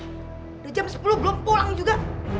sudah jam sepuluh belum pulang juga